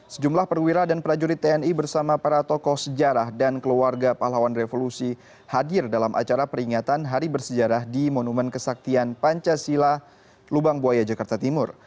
sejumlah perwira dan prajurit tni bersama para tokoh sejarah dan keluarga pahlawan revolusi hadir dalam acara peringatan hari bersejarah di monumen kesaktian pancasila lubang buaya jakarta timur